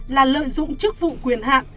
là lợi dụng chức vụ quyền hạn